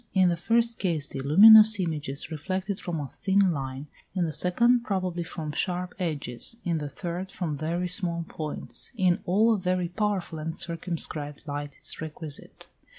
In the first case the luminous image is reflected from a thin line; in the second probably from sharp edges; in the third from very small points. In all a very powerful and circumscribed light is requisite.